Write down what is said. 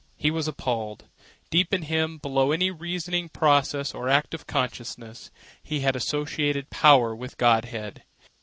He was appalled. Deep in him, below any reasoning process or act of consciousness, he had associated power with godhead.